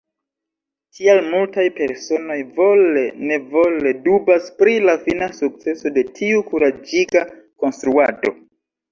Tial multaj personoj vole-nevole dubas pri la fina sukceso de tiu kuraĝiga konstruado.